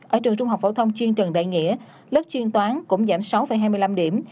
ở trường trung học phổ thông chuyên trần đại nghĩa lớp chuyên toán cũng giảm sáu hai mươi năm điểm